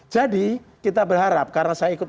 jadi kita berharap karena saya ikut